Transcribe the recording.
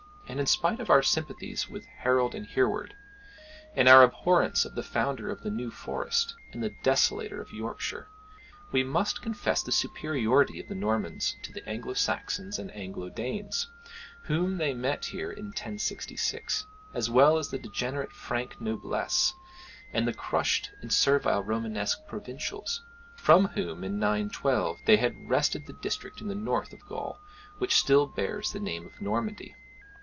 And, in spite of our sympathies with Harold and Hereward, and our abhorrence of the founder of the New Forest, and the desolator of Yorkshire, we must confess the superiority of the Normans to the Anglo Saxons and Anglo Danes, whom they met here in 1066, as well as to the degenerate Frank noblesse and the crushed and servile Romanesque provincials, from whom, in 912, they had wrested the district in the north of Gaul which still bears the name of Normandy.